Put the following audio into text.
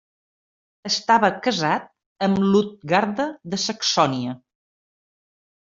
Estava casat amb Lutgarda de Saxònia.